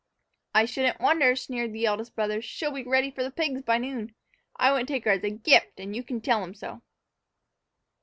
"I shouldn't wonder," sneered the eldest brother; "she'll be ready for the pigs by noon. I wouldn't take her as a gift, and you can tell 'em so."